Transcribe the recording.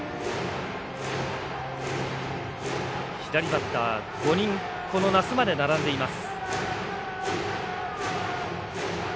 左バッター５人奈須まで、並んでいます。